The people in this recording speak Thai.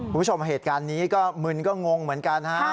คุณผู้ชมเหตุการณ์นี้ก็มึนก็งงเหมือนกันฮะ